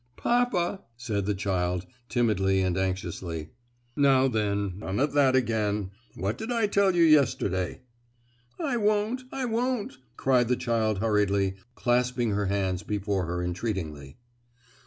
"Papa!" said the child, timidly and anxiously. "Now, then! none of that again! What did I tell you yesterday?" "I won't; I won't!" cried the child hurriedly, clasping her hands before her entreatingly.